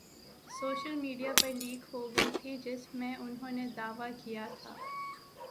social media پر leak ہوگئی تھی جس میں انہوں نے دعویٰ کیا تھا